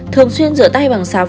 thường xuyên rửa tay bằng xào